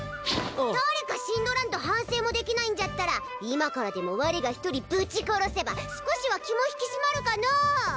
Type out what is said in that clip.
誰か死んどらんと反省もできないんじゃったら今からでも我が１人ぶち殺せば少しは気も引き締まるかのう！